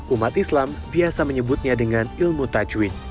umat islam biasa menyebutnya dengan ilmu tajwin